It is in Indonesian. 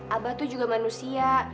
abah tuh juga manusia